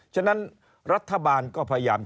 ฉะนั้นรัฐบาลก็พยายาม